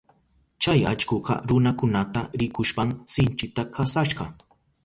Chay allkuka runakunata rikushpan sinchita kasashka.